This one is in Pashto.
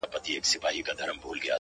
دا ناځوانه نور له كاره دى لوېــدلى،